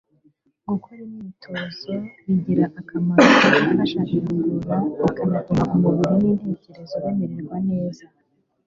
gukora imyitozo bigira akamaro ko gufasha igogora, bikanatuma umubiri n'intekerezo bimererwa neza